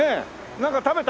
なんか食べた？